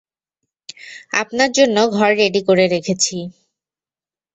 আপনার জন্যে ঘর রেডি করে রেখেছি।